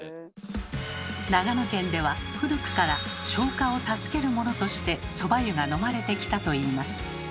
長野県では古くから消化を助けるものとしてそば湯が飲まれてきたといいます。